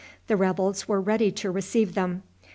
The rebels were ready to receive them.